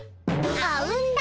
あうんだ！